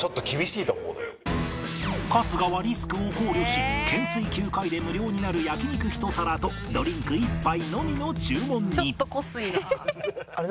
春日はリスクを考慮し懸垂９回で無料になる焼肉１皿とドリンク１杯のみの注文に。